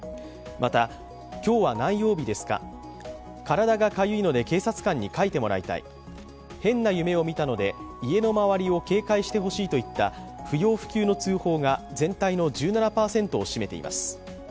また、今日は何曜日ですか、体がかゆいので警察官にかいてもらいたい変な夢を見たので家の周りを警戒してほしいといった不要不急の通報が全体の１７％を占めています。